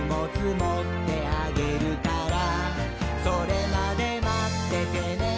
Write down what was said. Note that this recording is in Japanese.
「それまでまっててねー！」